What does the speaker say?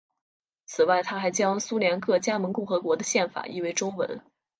此外他还将苏联各加盟共和国的宪法译为中文。